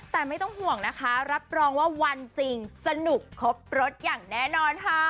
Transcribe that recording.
แต่ไม่ต้องห่วงนะคะรับรองว่าวันจริงสนุกครบรสอย่างแน่นอนค่ะ